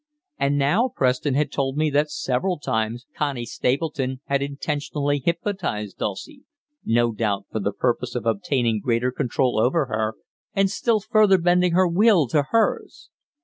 And now Preston had told me that several times Connie Stapleton had intentionally hypnotized Dulcie, no doubt for the purpose of obtaining greater control over her and still further bending her will to hers.